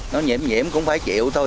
nó nhiễm nhiễm cũng phải chịu thôi